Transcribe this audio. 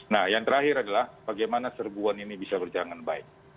nah yang terakhir adalah bagaimana serbuan ini bisa berjalan dengan baik